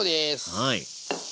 はい。